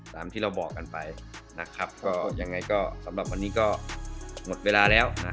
ตามที่เราบอกกันไปสำหรับวันนี้ก็หมดเวลาแล้ว